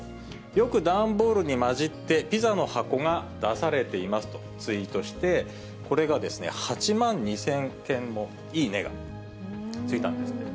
よく段ボールに混じってピザの箱が出されていますとツイートして、これがですね、８万２０００件もいいねがついたんですって。